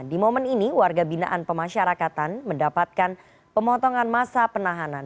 di momen ini warga binaan pemasyarakatan mendapatkan pemotongan masa penahanan